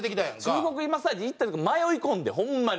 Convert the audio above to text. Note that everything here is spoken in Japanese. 中国マッサージ行ったというか迷い込んでホンマに。